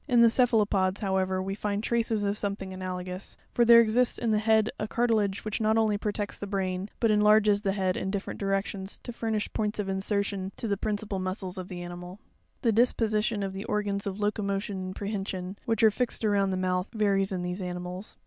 In the cephalopods, however, we find traces of something analogous; for there exists in the head a cartilage which not only protects the brain, but enlarges the head in differ ent directions, to furnish points of insertion to the principal mus cles of the animal. 10. The disposition of the organs of locomotion and prehen sion, which are fixed around the mouth, varies in these animals.